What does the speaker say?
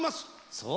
そう！